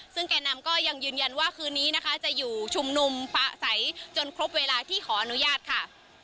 ซึ่งแก่นำก็ยังยืนยันว่าคืนนี้นะคะจะอยู่ชุมนุมประสัยจนครบเวลาที่ขออนุญาตค่ะ